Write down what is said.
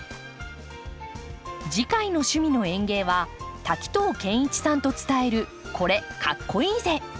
次回の「趣味の園芸」は滝藤賢一さんと伝える「これ、かっこイイぜ！」。